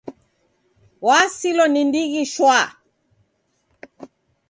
Wasilwa ni ndighi shwaa.